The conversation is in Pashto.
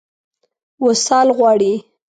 وصال غواړي.